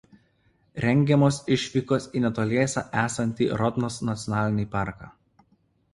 Rengiamos išvykos į netoliese esantį Rodnos nacionalinį parką.